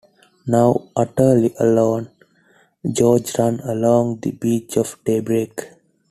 Now utterly alone, George runs along the beach at daybreak.